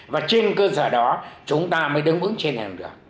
và trên cơ sở đó chúng ta mới đứng ứng trên hành lực